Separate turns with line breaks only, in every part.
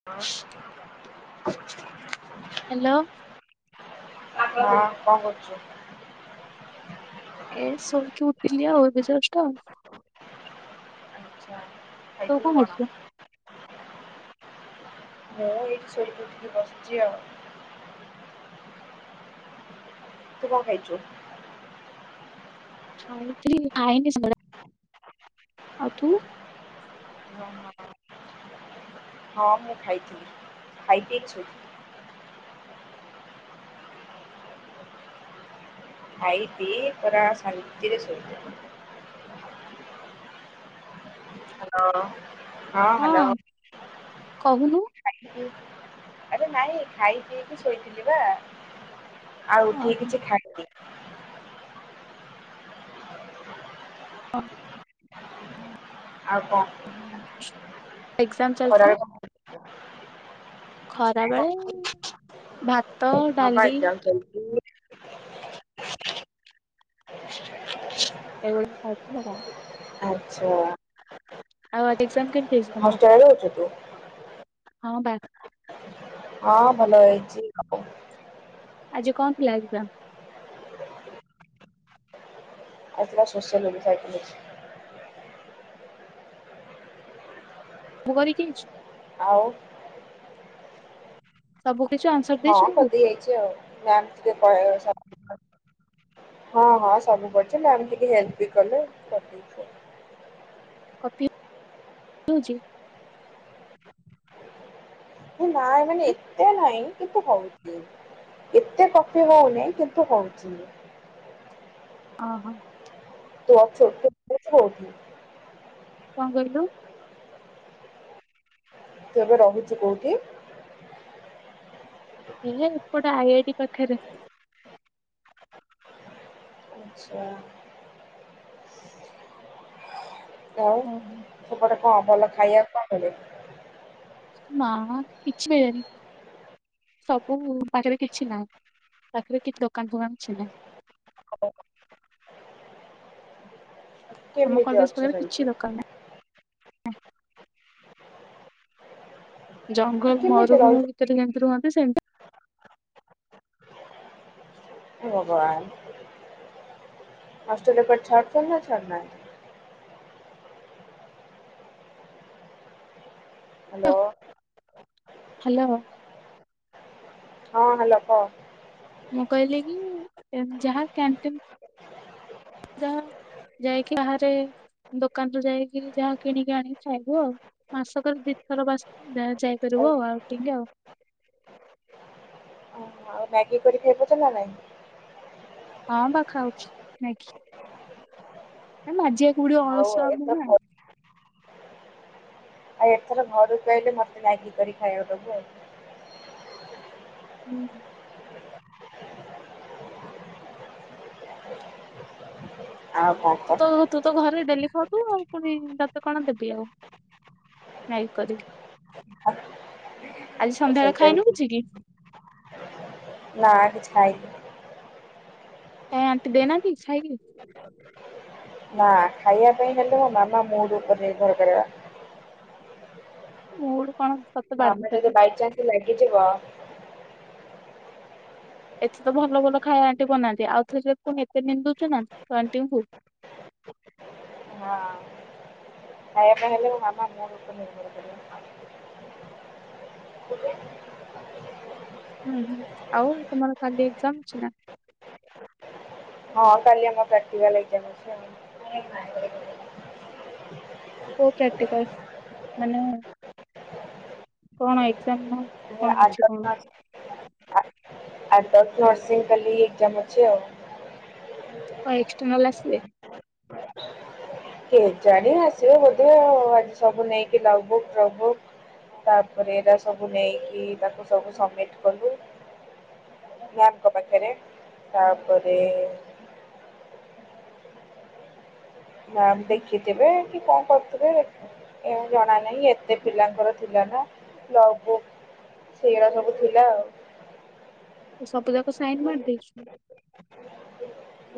[inaudible]
Hello.
ହଁ କଣ କରୁଚ?
ଏ ଶୋଇକି ଉଠିଲି ଆଉ ଏବେ ଜଷ୍ଟ।
ଆଚ୍ଛା
ତୁ
ଖାଇଥିଲ କଣ?
କରୁଛୁ?
ମୁଁ ଏଇଠି ଶୋଇ ପଠିକି ବସିଚି ଆଉ। ତୁ କଣ ଖାଇଚୁ?
ଖାଇଥିଲି ଖାଇନି [unintelligible] ଆଉ ତୁ?
ହଁ ହଁ। ହଁ ମୁଁ ଖାଇଥିଲି ଖାଇକି ଏଇଠି ଶୋଇଥିଲି। ଖାଇ ପିଇ ପୁରା ଶାନ୍ତିରେ ଶୋଇଥିଲି। ହାଲୋ ହଁ ହାଲୋ।
କହୁନୁ।
ଆରେ ନାଇଁ ଖାଇ ପିଇକି ଶୋଇଥିଲି ପା। ଆଉ
ହଁ
ଉଠିକି କିଛି ଖାଇନି।
ହଁ ହଁ।
ଆଉ କଣ କ
ହଁ [unintelligible] ଏକ୍ସାମ ଚାଲିଥିଲା।
କଣ
ଖରା ବେଳେ ଭାତ
ହଁ ପା
ଡାଲି
ଏଗଜାମ୍ ଚାଲି
ଏଇଭଳି ଖାଇଥିଲ ଆଉ କଣ।
ଆଚ୍ଛା।
ଆଉ ଆଜି ଏକ୍ସାମ କେମିତି ହେଇଚି ତମର
ହଷ୍ଟେଲରେ ରହୁଛୁ ତୁ?
ହଁ ବା
ହଁ ଭଲ ହେଇଚି ଆଉ।
ଆଜି କଣ ଥିଲା ଏକ୍ସାମ?
ଆଜି ଥିଲା ସୋସିଆଲ [unintelligible]
ମୁଁ କରିକି [unintelligible]
ଆଉ
ସବୁ କରିଚୁ ଆନ୍ସାର
ହଁ [unintelligible] ହଁ ହଁ ସବୁ କରୁଚି ମ୍ୟାମ୍ ଟିକେ ହେଲ୍ପ ବି କଲେ କରିଦେଇଚି ଆଉ।
କପି ହୋଉଚି?
ଏ ନାଇଁ ମାନେ ଏତେ ନାହିଁ କିନ୍ତୁ ହୋଉଚି। ଏତେ କପି ହୋଉନିଁ କିନ୍ତୁ ହୋଉଚି।
ଅ ହଁ।
[unintelligible]
କଣ କହିଲୁ?
ତୁ ଏବେ ରହୁଚୁ କୋଉଠି?
ଇଏ ଏପଟେ ଆଇଆଇଟି ପାଖରେ
ଆଚ୍ଛା [unintelligible]
ହଁ
ସେପଟେ କ ଭଲ ଖାଇବାକୁ କଣ ମିଳେ?
ମା କିଛି ମିଳେନି ସବୁ ଉ ପାଖରେ କିଛି ନାହିଁ ପାଖରେ କିଛି ଦୋକାନ ଫୋକାନ କିଛି ନାହିଁ ଆମ
କେମିତି
କଲେଜ
ଅଛ
ପାଖରେ
ସେମିତି
କିଛି ଦରକାର ନାହିଁ ଜଙ୍ଗଲ
କେମିତି
ମରୁଭୂମ
ରହୁଛ
ଭିତରେ ଯେମିତି ରୁହନ୍ତି ସେମତି
ହେ ଭଗବାନ ହଷ୍ଟେଲରେ ଏପଟେ ଛାଡ଼ୁ ଚନି ନା ଛାଡ଼ୁ ନାହାନ୍ତି ହ୍ୟାଲୋ
ହ୍ୟାଲୋ
ହଁ ହ୍ୟାଲୋ କହ
ମୁଁ କହିଲି କି କ୍ୟା ଯାହା କ୍ୟାଣ୍ଟିନ୍ ଯାହା ଯାଇକି ବାହାରେ ଦୋକାନରୁ ଯାଇକି ଯାହା କିଣିକି ଆଣିକି ଖାଇବୁ ଆଉ ମାସକରେ ଦିଇ ଥର ବାସ୍ ଯାହା ଯାଇପାରିବ ଆଉ ଆଉ ଟିଙ୍ଗ ଆଉ
ଆଉ ମ୍ୟାଗି କରିକି ଗେବୁଚୁ ନା ନାଇଁ
ହଁ ପାଖା ହାଉଛି ନାଇକି ମାଜିଆକୁ ପଡ଼ିବ
ହଉ
ଅଳସୁଆ ଆମ ନା
ଏଥର ଆଉ ଏଥର ଘରକୁ ଆଇଲେ ମତେ ମ୍ୟାଗି କରି ଖାଇବାକୁ ଦବୁ ଆଉ
ହୁଁ
ଆଉ କଣ
ତୁ ତ
କହ
ତୁ ତ ଘରେ ଡେଲି ଖାଉଥିବୁ ଆଉ ପୁଣି ତତେ କଣ ଦେବି ଆଉ ନାଇ କରିକି ଆଜି ସନ୍ଧ୍ୟାବେଳେ
ସେଇଟା ବି
ଖାଇନଖୁଛି
ଠିକ୍
କି
ନା କିଛି ଖଇନି
ତୋ ଆଣ୍ଟି ଦେଇନାହନ୍ତିକି ଚ୍ଛାଇକି
[inaudible] ନା ଖାଇବା ପାଇଁ ହେଲେ ମୋ ମାମା ମୁଡୁ ଉପରେ ନିର୍ଭର କରିବା
ମୁଁ ଡୁ କଣ ସତେ
ହଁ ମୋ
ବାରଣ
ମାମା ଯଦି
କଲି
ବାଇ ଚାନ୍ସ ଲାଗେଛି ବା
ଏତେ ତ ଭଲ ଭଲ ଖାଇବା ଆଣ୍ଟି ବନାନ୍ତି ଆଉ ଥରେ ପୁଣି ଏତେ ନିନ୍ଦୁଚୁ ନା ତୋ ଆଣ୍ଟି କୁ
ହଁ ନୟାନ୍ତ ହେଲେ ମୋ ମାମା ମୋ ଉପରେ ରାଗ କରିବ [unintelligible]
ହୁଁ ହୁଁ ଆଉ ତୁମର କାଲି ଏକ୍ଜାମ ଅଛି ନା
ହଁ କାଲି ଆମର ପ୍ରାକ୍ଟିକାଲ ଏକ୍ଜମ ଅଛି ଆଉ
କି ପ୍ରାକ୍ଟିକାଲ ମାନେ କଣ ଏକ୍ଜାମ ନା କଣ ଅଛି
ଆଠଟା
କଣ
ଦଶ ଆର୍ ଦଶ ନର୍ସିଂ କାଲି ଏକଜାମ ଅଛି ଆଉ
ହଁ ଏକ୍ସଟର୍ନାଲ ଆସିବେ
କେ ଜାଣି ଆସିବ ବୋଧେ ଆଉ ଆଜି ସବୁ ନେଇକି ଲବୁୁ ଦବୁ ତାପରେ ଏଇଟା ସବୁ ନେଇକି ତାକୁ ସବୁ ସବମିଟ କଲୁ ମ୍ୟାମଙ୍କ ପାଖରେ ତାପରେ ମ୍ୟାମ ଦେଖିଥିବେ କି କଣ କରୁଥିବେ ଏହା ଜଣା ନାହିଁ ଏତେ ପିଲାଙ୍କର ଥିଲା ନା ଲଗ ବୁକ୍ ସେଇଗଡା ସବୁ ଥିଲା ଆଉ
ତୁ ସବୁ ଯାକ ସାଇନ ମାରି ଦେଇଛୁ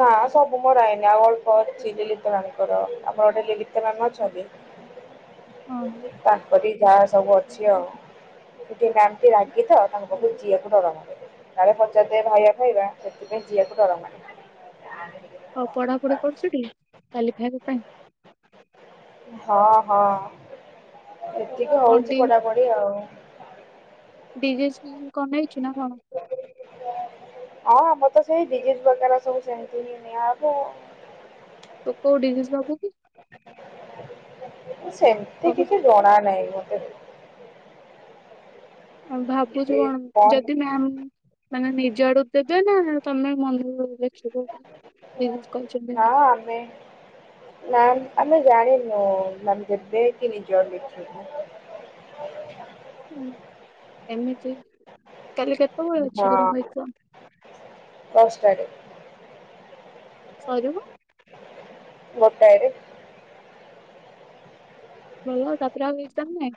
ନା ସବୁ ମୋରଇନି ଆଉ ଅଳ୍ପ କରିଛି ଲି ଲିତ ରାଣୀଙ୍କର ଆପଣ ଗୋଟେ ଲିଳିତ ରାଣ ଅଛନ୍ତି
ହଁ
ତାପରି ଯାହା ସବୁ ଅଛି ଆଉ [unintelligible] ମ୍ୟାାମ ଟି ରାଗି ତ ତାଙ୍କ ପାଖକୁ ଯିିବାକୁ ଡରମାଡୁଚି କାଳେ ପଚାରିଦେବେ ଭାଇବା ଖାଇବା ସେଥିପାଇଁ ଯିଆକୁ ଡରମା
ହଉ ପଢାପଢି କରୁଛୁ ଟି କାଲିଫାଇବା ପାଇଁ
ହଁ ହଁ ଏତିକି
କଣ
ହଉଛି
ଟି
ପଢାପଢି ଆଉ
ଡିରେକ୍ସନ କମେଇଛୁ ନା କଣ?
ଆଉ ଆମର ତ ସେଇ [unintelligible] ସବୁ ସେମିତି ହିଁ ନିଆ ହବ।
ତୁ କୋଉ ଡିଉଜୁ ନବୁ କି?
ସେମିତି
ଭାବୁଛୁ
କିଛି ଜଣା ନାହିଁ ମୋତେ।
ଆଉ ଭାବୁଛୁ କଣ ଯଦି ମ୍ୟାମ ମାନେ ନିଜ ଆଡୁ ଦେବେ ନା ତମେ ମନକୁ ଲଖିବ ଦେବେ ବୋଲି କହିଛନ୍ତି।
ହଁ ଆମେ ମ୍ୟାମ୍ ଆମେ ଜାଣିନୁ ମ୍ୟାମ୍ ଦେବେ କି ନିଜଆଡୁ ଲେଖିବୁ।
ହୁଁ ଏମିତି [unintelligible] କି ତମ
ହଁ
ଏକ୍ଜାମ
କଷ୍ଟାରେ
ସରିବ।
ଗୋଟାଏରେ।
ମୁଁ ଆଉ ତାପରେ ଆଉ କିଛି ଜାଣିନି।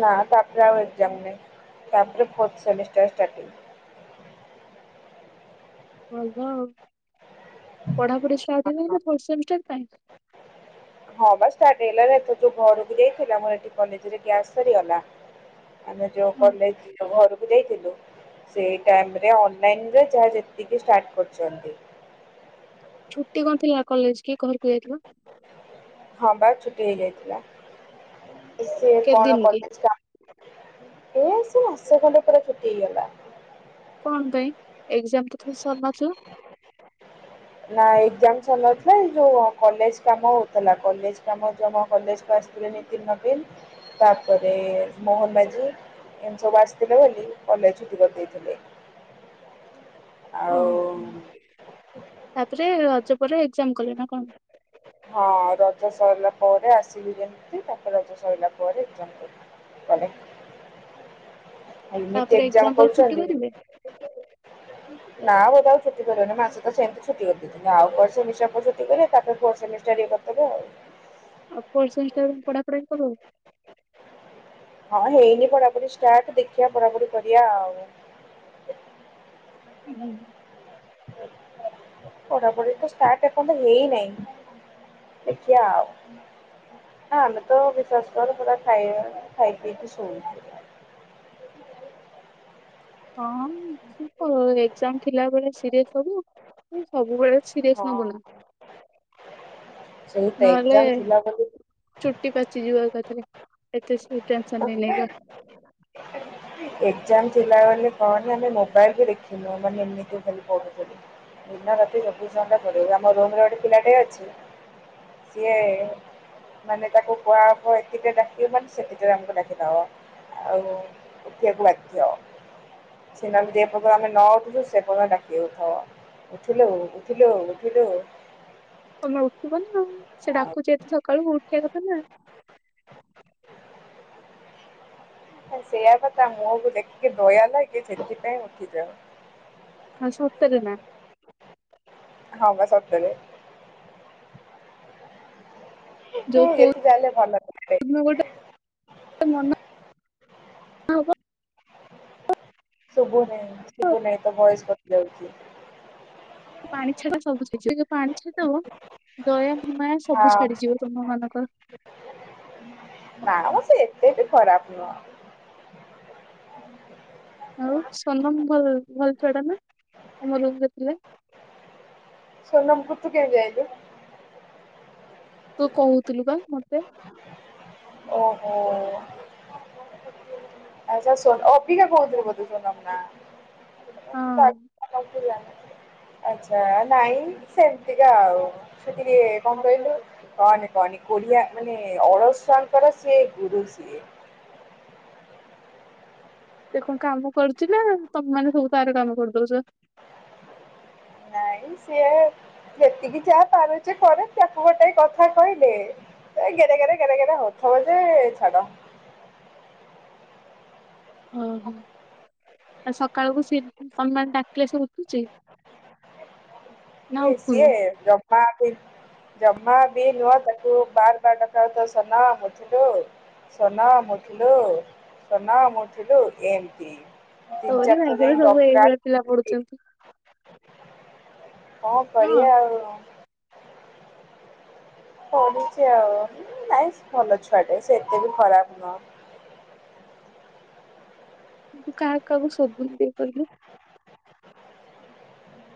ନା ତାପରେ ଆଉ ଏ ଯାଣିନି ତାପରେ ଫୋର୍ଥ ସେମିଷ୍ଟର ଷ୍ଟାର୍ଟିଂ।
ଭଲ ଆଉ ପଢାପଢି ଷ୍ଟାର୍ଟ ହେଲାଣିନା ଫୋର୍ଥ ସେମିଷ୍ଟାର ପାଇଁ।
ହଁ ବା ଷ୍ଟାର୍ଟ ହେଇଗଲା ଏଥର ଯୋଉ ଘରକୁ ଯାଇଥିଲା ମୋର ଏଠିରେ କଲେଜରେ ଗ୍ୟାସ୍ ସରିଗଲା ଆମେ ଯୋଉ
ହଁ
କଲେଜ ଘରକୁ ଦେଇଥିଲୁ। ସେଇ ଟାଇମରେ ଅନଲାଇନରେ ଯାହା ଯେତିକି ଷ୍ଟାର୍ଟ କରୁଛନ୍ତି।
ଛୁଟି କଣଥିଲା କଲେଜ କି ଘରକୁ ଯାଇଥିଲା?
ହଁ ବା ଛୁଟି ହେଇଯାଇଥିଲା ସିଏ କଣ
କେତେଦିନ କି
କଲେଜ ଏ ସେଇ ମାସେ ଖଣ୍ଡେ ପୁରା ଛୁଟି ହେଇଗଲା।
କଣ ପାଇଁ ଏଜାମ ତ ତମର ସରି ନଥିଲା?
ନା ଏଜାମ ସରି ନଥିଲା ଏ ଯେଉଁ କଲେଜ କାମ ହେଉଥିଲା କଲେଜ କାମ ଜମା କଲେଜକୁ ଆସିଥିଲନି ଦି ନବୀନ ତାପରେ ମୋହନ ମାଝୀ ଏମତି ସବୁ ଆସିଥିଲେ ବୋଲି କଲେଜ ଛୁଟି କରିଦେଇଥିଲେ। ଆଉ
ହଁ
ଉଁ
ହଁ ତାପରେ ରଜ ପରେ ଏଜାମ କଲେ ନା କଣ?
ହଁ ରଜ ସରିଲା ପରେ ଆସିଲୁ ଯେମିତି ତାପରେ ରଜ ସରିଲା ପରେ ଏଜାମ [unintelligible] ଏମିତି
ତାପରେ
ଏଜାମ
ଏକ୍ଜାମ ପରେ ଛୁଟି
କରୁଛନ୍ତି
କରିବେ
ନା ବୋଧେ ଆଉ ଛୁଟି ଦେବେନି ମାସେ ତ ସେମିତି ଛୁଟି କରିଦି ଆଉ କଣ ସେମିଷ୍ଟାର ତ ସେତିକିରେ ତାପରେ ଫୋର୍ଥ ସେମିଷ୍ଟାର ଇଏ କରିଥିବେ ଆଉ।
ଆଉ ଫୋର୍ସ ସେମିଷ୍ଟାର ପଢାପଢାି କେବେ?
ହଁ ହେଇନି ପଢାପଢି ଷ୍ଟାର୍ଟ ଦେଖିବା ପଢାପଢି କରିବା ଆଉ।
[unintelligible]
ପଠାପଢି ତ ଷ୍ଟାର୍ଟ ଏପନ୍ତ ହେଇ ନେଇଁ। ଦେଖିଆ ଆମେ ତ ବିଶ୍ଵାସ କର ପୁରା ଖାଇବା ଖାଇ ପିଇକି ଶୁଣୁଛୁ।
ହଁଁ ତୁତ ଏଜାମ ଥିଲାବେଳେ ସିରିଏସ୍ ହବୁ ତୁ ସବୁବେଳେ ସିରିୟସ୍ ନବୁ ନା।
ସେଇତ ଏଜାମ ଥିଲା ବୋଲିକି
ଛୁଟି ପାଚି ଯିବ ଏକାଥରେ ଏତେ [unintelligible] ନେଇ ନେଇ କା।
[unintelligible] ଏଜାମ ଥିଲା ବୋଲି କହନା ମୁଁ ମୋବାଇଲବି ଦେଖିନି ମାନେ ଏମତି ଖାଲି ପଢ଼ୁଥିଲି। ଦିନ ରାତି ଚବିଶ ଘଣ୍ଟା ପଡିବ ଆମ ରୁମରେ ଗୋଟେ ପିଲାଟେ ଅଛି ସିଏ ମାନେ ତାକୁ କଖ ଏତିକି ଡାକିବୁ ମାନେ ସିଏ [unintelligible] ଡାକିଦେବା ଆଉ ଉଠିବାକୁ ବାଧ୍ୟ। ସେ ନହେଲେ ଯେ ପର୍ଯ୍ୟନ୍ତ ଆମେ ନ ଉଠିଛୁ ସେର୍ଯ୍ୟନ୍ତ ଡାକିବ ଉଠ। ଉଠିଲୁ ଉଠିଲୁ ଉଠିଲୁ
ତମେ ଉଠିବନି ଆଉ ସେ
ଆଉ
ଡାକୁଚି ଏତେ ସକାଳୁ ଉଠିବା କଥା ନା।
ସେଇୟା ପା ତା ମୁଁହ କୁ ଦେଖିକି ଦୟା ଲାଗେ ସେଥିପାଇଁ ଉଠିଯାଉ।
ହଁ ସତରେ ନା।
ହଁ ବା ସତରେ। ହୁଁ
ଯୋଉ କେ
ଯେତେ ଯାହେଲେ ଭଲ ଥାଏ।
[inaudible] ଗୋଟେ [inaudible] ମ
ଶୁଭୁ ନାହିଁ ଶୁଭୁନହିଁ ତୋ ଭଏସ କଟି ଯାଉଛି।
ପାଣି ଛେଡ଼ା [inaudible] ସବୁ ଶିଖିବା ପାଣି ଛାଦବ ଦୟା ଘୁ ମାୟା ସବୁ
ହଁ
ଛାଡିଯିବ ତୁମ ମାନଙ୍କ।
ନା ମ ସେ ଏତେ ବି ଖରାପ ନୁହ।
ଆଉ ସନମ ଭଲ ଭଲ ଛୁଆ ଟା ନା ତମ ରୁମ ରେ ଥିଲେ।
ସୋନମ କୁ ତୁ କେମିତି ଜାଣିଲୁ?
ତୁ କହୁଥିଲୁ ବା ମତେ।
ଓହୋ। ଆଛା ସୋ ଅବିକା କହୁ ଥିଲୁ ବୋଧେ ସୋନାମ ନା।
ହଁ
ସ [inaudible] ଆଚ୍ଛା ନାଇଁ ସେମିତିକା ଆଉ ସେ ଟିକେ କଣ କହିଲୁ କହନି କହନି କୋଢିଆ ମାନେ ଅଳସୁଆଙ୍କର ସେ ଗୁରୁ ସିଏ।
ସେ କଣ କାମ କରୁଛି ନା ତମମାନେ ସବୁ ତାର କାମ କରିଦଉଛ?
ନାଇ ସିଏ ଯେତିକି ଯାହା ପାରୁଛି କରେ ତାକୁ ଗୋଟେ କଥା କହିଲେ ସେ ଗେରେ ଗେରେ ଗେରେ ଗେରେ ହଉଥିବ ଯେ ଛାଡ।
ଓହୋ ଆ ସକାଳକୁ ସିଏ ସମାନ ଡାକିଲେ ସେ ଉଠୁଛି? ନା
କିଏ
ଉଠୁନି?
ସିଏ ଜମାବି ଜମା ବି ନୁହଁ ତାକୁ ବାର ବାର ଡକା ହୋଇଥିବ ସନା ଉଠିଲୁ। ସୋନା ମୁଠିଲୁ ସୋନା ମୁଠିଲୁ ଏମତି।
ତୋରି ଭାଗ୍ୟରେ ସବୁ ଏଇଭଳିଆ ପିଲା ପଢୁଛନ୍ତି।
କଣ
ନୁହଁ
କରିବା ଆଉ। ପଢିଛି ଆଉ ନାଇଁ ସେ ଭଲ ଛୁଆଟେ ସେ ଏତେ ବି ଖରାପ ନୁହଁ।
କିନ୍ତୁ କାହା କାହାକୁ ସୋଧୁନୁ ଟିକେ କହିଲୁ?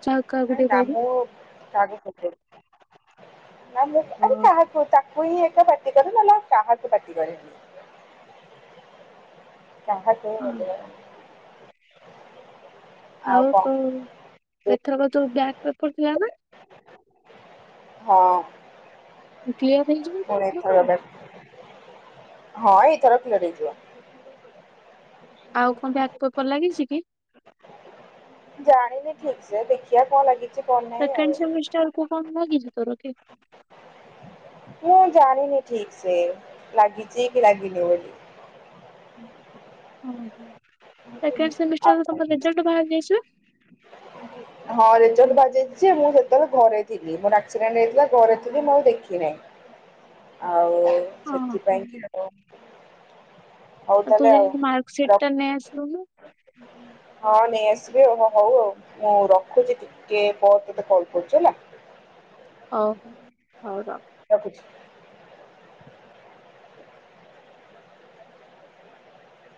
କାହାକୁ କାହାକୁ
ଆରେ
ଟିକେ
ନା
କହିଲୁ
ମୁ କାହାକୁ ସୋଧେନି ନା ମୁ ଆରେ
ଓହୋ।
କାହା ପୁଅ ତା ତାକୁ ହିଁ ପାଟି କରେ ନହେଲେ କାହାକୁ ପାଟି କରେନି। ଯାହାକୁ
ହଁ
ମୋତେ ଜନା
ଆଉ ତୋ ଏଥରକ ଯୋଉ ବ୍ୟାକ୍ ପେପର ଥିଲା ନା?
ହଁ।
ତୁ କ୍ଲିୟର ହେଇଯିବୁ?
ପୁଣି ଏଥର ବେକ୍ ହଁ ଏଇଥର କ୍ଲିୟର ହେଇଯିବ।
ଆଉ କଣ ବ୍ୟାଗ ପେପର୍ ଲାଗିଛି କି?
ଜାଣିନି ଠିକ ସେ ଦେଖିବା କଣ ଲାଗିଛି କଣ ନାହିଁ ଆଉ
ସେକେଣ୍ଡ ସେମିଷ୍ଟରକୁ କଣ ଲାଗିଛିି ତର କି?
ମୁଁ ଜାଣିନି ଠିକ ସେ ଲାଗିଛି କି ଲାଗିନି ବୋଲି। ହୁଁ।
ହଁ ହୋ ସେକେଣ୍ଡ ସେମିଷ୍ଟର ସବୁ ରେଜଲ୍ଟ ବାହାରିଯାଇଛି ନା?
[inaudible] ହଁ ରେଜଲ୍ଟ ବାହରିଯାଇଛି ଯେ ମୁଁ ସେତେବେଳେ ଘରେ ଥିଲି ମୋର ଆକ୍ସିଡେଣ୍ଟ ହେଇଥିଲା ଘରେ ଥିଲି ମୁଁ ଆଉ ଦେଖିନାହିଁ। ଆଉ
ହଁ
ସେଥିପାଇଁ
ହଁ।
କି ଆଉ ହଉ
ତୁ
ତାହେଲେ
ଯାଇକି ମାର୍କ ଶିଟ
ରଖ
ଟା ନେଇ ଆସିଲୁ ନୁ।
[inaudible] ହଁ ନେଇଆସିବି ହଁ ହଉ ଆଉ ମୁଁ ରଖୁଛି ଟିକେ ପରେ ତୋତେ କଲ କରୁଛି ହେଲା।
ହଁ ହଉ ହଉ ରଖ।
ରଖୁଛି।